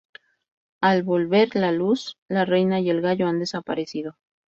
Al volver la luz, la reina y el gallo han desaparecido.